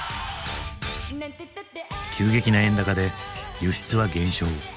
急激な円高で輸出は減少。